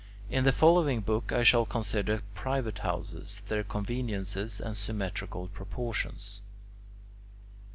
In the following book I shall consider private houses, their conveniences, and symmetrical proportions.